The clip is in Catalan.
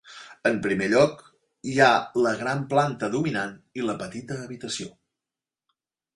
En primer lloc, hi ha la gran planta dominant i la petita habitació.